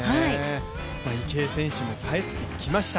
池江選手も帰ってきました。